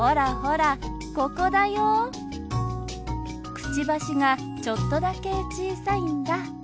くちばしがちょっとだけ小さいんだ。